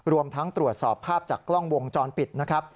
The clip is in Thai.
รวมทั้งตรวจสอบภาพจากกล้องวงจรปิดนะครับ